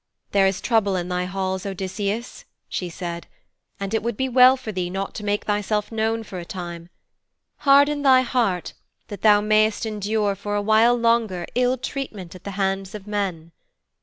'There is trouble in thy halls, Odysseus,' she said, 'and it would be well for thee not to make thyself known for a time. Harden thy heart, that thou mayest endure for a while longer ill treatment at the hands of men.'